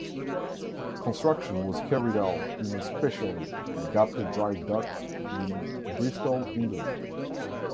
Construction was carried out in a specially adapted dry dock in Bristol, England.